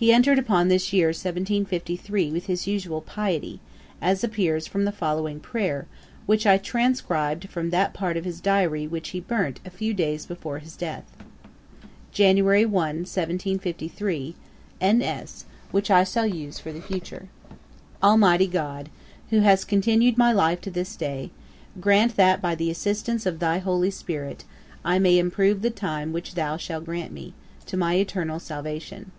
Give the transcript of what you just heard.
He entered upon this year 1753 with his usual piety, as appears from the following prayer, which I transcribed from that part of his diary which he burnt a few days before his death: 'Jan. 1, 1753, N. S. which I shall use for the future. 'Almighty God, who hast continued my life to this day, grant that, by the assistance of thy Holy Spirit, I may improve the time which thou shall grant me, to my eternal salvation.